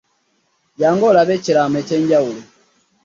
Jamgu olabe ekirano ekyemjawulo .